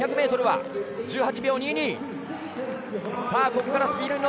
２００ｍは１８秒２２。